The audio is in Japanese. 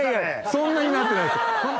そんなになってないですよ。